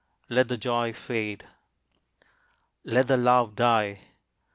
Let the joy fade! Let the love die.